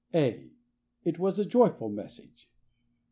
(a) It was a joyful message.